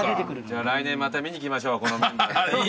じゃあ来年また見に来ましょう。